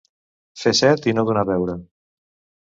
Fer set i no donar beure.